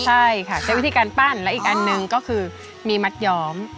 ยิ่งวิธีการปั้นแล้วอีกอันนึงก็คือมีมัดยอม